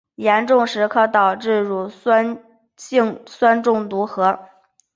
严重时可导致乳酸性酸中毒和。